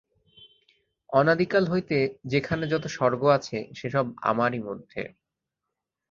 অনাদিকাল হইতে যেখানে যত স্বর্গ আছে, সে-সব আমারই মধ্যে।